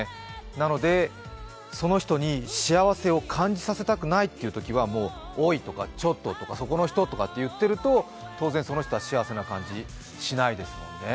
なので、その人に幸せを感じさせたくないというときは、おいとかちょっととかそこの人とか言ってると当然その人は幸せな感じしないですもんね。